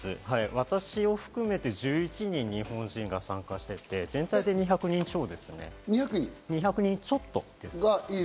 私を含めて１１人日本人が参加していて、全体的に２００人ちょっとです。